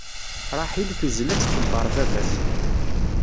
Ṛaḥil tuzzel ad txebbeṛ baba-s.